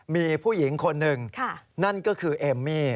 มีผู้หญิงคนหนึ่งนั่นก็คือเอมมี่